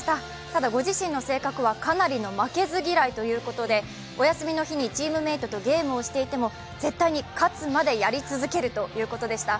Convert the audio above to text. ただ、ご自身の性格はかなりの負けず嫌いということでお休みの日にチームメートとゲームをしていても絶対に勝つまでやり続けるということでした。